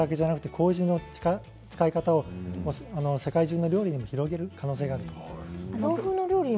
こうじの使い方を世界中の料理にも広げる可能性があります。